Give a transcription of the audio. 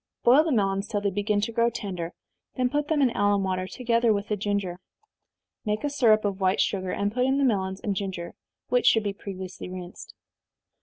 Boil the melons till they begin to grow tender, then put them in alum water, together with the ginger. Make a syrup of white sugar, and put in the melons and ginger, (which should be previously rinsed.)